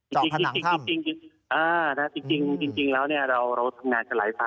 จอกผนังข้ำ